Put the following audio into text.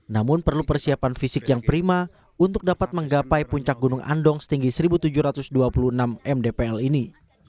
namun perlu persiapan fisik yang prima untuk dapat menggapai puncak gunung andong setinggi satu tujuh ratus dua puluh enam mdpl ini